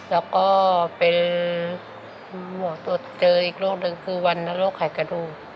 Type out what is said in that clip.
แล้วก็เป็นตรวจเจออีกโรคหนึ่งคือวันนะโรคไข่กระดูก